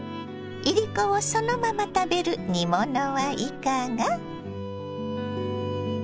いりこをそのまま食べる煮物はいかが？